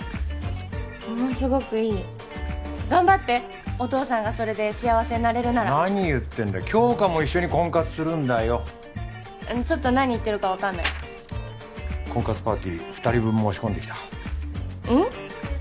ものすごくいい頑張ってお父さんがそれで幸せになれるなら何言ってんだ杏花も一緒に婚活するんだよちょっと何言ってるか分かんない婚活パーティー二人分申し込んできたうん？